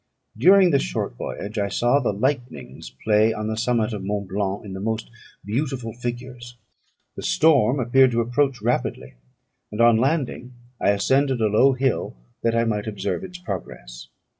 During this short voyage I saw the lightnings playing on the summit of Mont Blanc in the most beautiful figures. The storm appeared to approach rapidly; and, on landing, I ascended a low hill, that I might observe its progress.